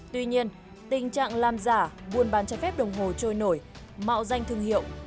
tuy nhiên tình trạng làm giả buôn bán trái phép đồng hồ trôi nổi mạo danh thương hiệu